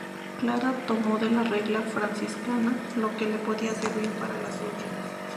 Clara tomó de la regla franciscana lo que le podía servir para la suya.